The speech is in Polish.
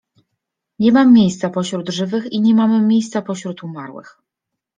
Nie mam miejsca pośród żywych i nie mam miejsca pośród umarłych…